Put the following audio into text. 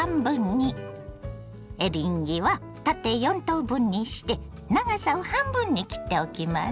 エリンギは縦４等分にして長さを半分に切っておきます。